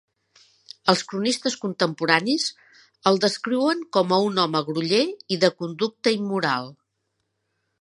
Els cronistes contemporanis el descriuen com a un home groller i de conducta immoral.